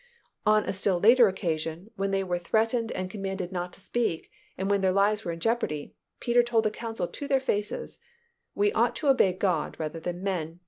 On a still later occasion, when they were threatened and commanded not to speak and when their lives were in jeopardy, Peter told the council to their faces, "We ought to obey God rather than men.